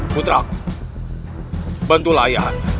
putraku bantulah ayah anda